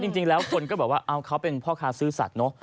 จริงแล้วคนก็บอกว่าเอาเขาเป็นพ่อค้าซื้อสัตวเนอะ